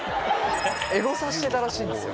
エゴサしてたらしいんですよ。